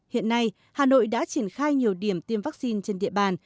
hiện nay hà nội đã triển khai nhiều điểm tiêm vaccine trên địa bàn